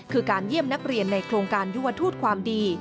คือการเยี่ยมนักเรียนในโครงการยุวทูตความดี